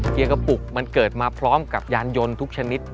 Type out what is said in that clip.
เกียร์กระปุกมันเกิดมาพร้อมกับยานยนต์ทุกชนิด